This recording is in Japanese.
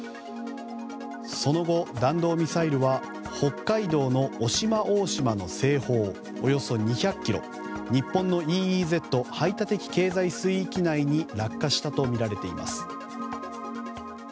その後、弾道ミサイルは北海道の渡島大島の西方およそ２００ｋｍ日本のＥＥＺ・排他的経済水域内に落下したとみられています。